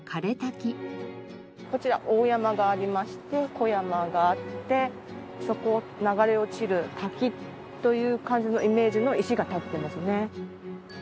こちら大山がありまして小山があってそこを流れ落ちる滝という感じのイメージの石が立ってますね。